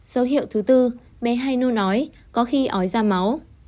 dấu hiệu thứ bốn bé hay nôn ói có khi ói ra máu